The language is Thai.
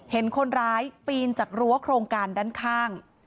เห็นคนร้ายปีนจากรั้วโครงการด้านข้าง